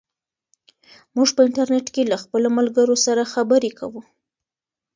موږ په انټرنیټ کې له خپلو ملګرو سره خبرې کوو.